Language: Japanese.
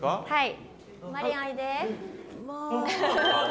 はい。